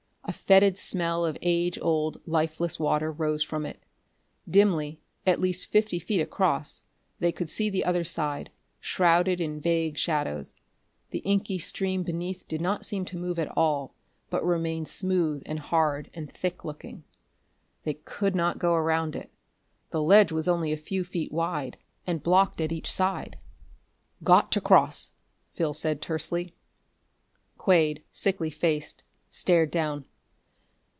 A fetid smell of age old, lifeless water rose from it. Dimly, at least fifty feet across, they could see the other side, shrouded in vague shadows. The inky stream beneath did not seem to move at all, but remained smooth and hard and thick looking. They could not go around it. The ledge was only a few feet wide, and blocked at each side. "Got to cross!" Phil said tersely. Quade, sickly faced, stared down.